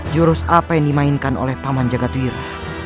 jurus apa yang dimainkan oleh taman jagadwira